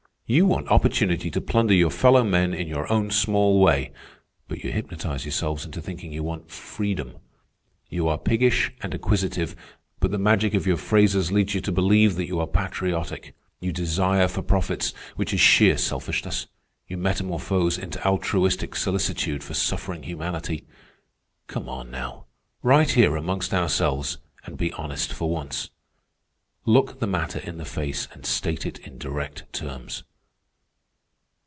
You want opportunity to plunder your fellow men in your own small way, but you hypnotize yourselves into thinking you want freedom. You are piggish and acquisitive, but the magic of your phrases leads you to believe that you are patriotic. Your desire for profits, which is sheer selfishness, you metamorphose into altruistic solicitude for suffering humanity. Come on now, right here amongst ourselves, and be honest for once. Look the matter in the face and state it in direct terms."